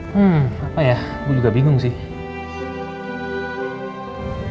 wah apa ya gue juga bingung sih